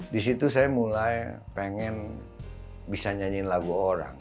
di situ saya mulai pengen bisa nyanyiin lagu orang